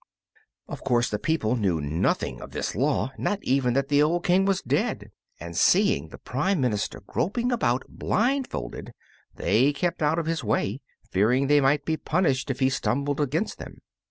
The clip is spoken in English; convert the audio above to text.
Of course the people knew nothing of this law, nor even that the old King was dead, and seeing the prime minister groping about blindfolded they kept out of his way, fearing they might be punished if he stumbled against them.